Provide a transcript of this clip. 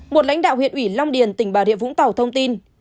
một lãnh đạo huyện ủy long điền tỉnh bà rịa vũng tàu thông tin